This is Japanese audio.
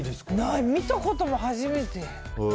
見たことも初めて。